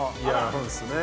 そうっすね